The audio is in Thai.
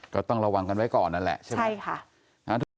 ก็ต้องระวังกันไว้ก่อนนั่นแหละใช่ไหมใช่ค่ะ